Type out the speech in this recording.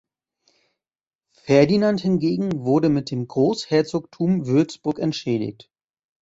Ferdinand hingegen wurde mit dem Großherzogtum Würzburg entschädigt.